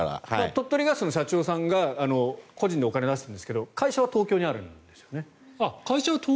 鳥取ガスの社長さんが個人でお金を出してるんですが会社は東京にあるんですよね。